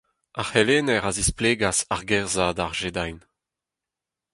Ar c'helenner a zisplegas argerzhad ar jediñ.